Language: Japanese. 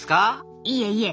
いえいえ。